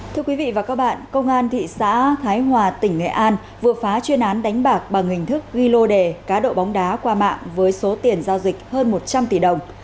thưa quý vị và các bạn công an thị xã thái hòa tỉnh nghệ an vừa phá chuyên án đánh bạc bằng hình thức ghi lô đề cá độ bóng đá qua mạng với số tiền giao dịch hơn một trăm linh tỷ đồng